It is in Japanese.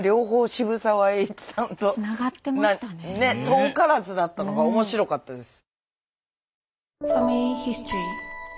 遠からずだったのが面白かったです。